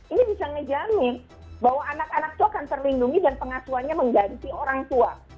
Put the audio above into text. ini bisa ngejamin bahwa anak anak itu akan terlindungi dan pengasuhannya mengganti orang tua